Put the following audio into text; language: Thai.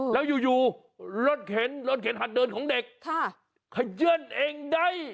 แล้วอยู่รถเข็นรถเข็นหัดเดินของเด็กขยื่นเองได้